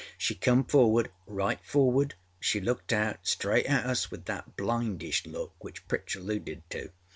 She come forwardâright forwardâshe looked out straight at us with that blindish look which Pritch alluded to.